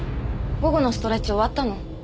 午後のストレッチ終わったの？